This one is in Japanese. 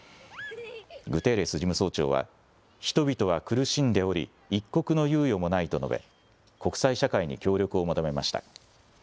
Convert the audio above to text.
グテーレス事務総長は、人々は苦しんでおり、一刻の猶予もないと述べ、国際社会に協力を求めました。